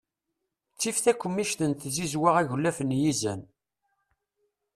Ttif takemmict n tzizwa aglaf n yizan.